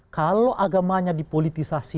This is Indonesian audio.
kalau agamanya dipolitisasi